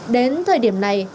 đến thời điểm này